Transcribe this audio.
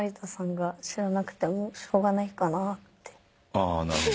「あなるほど」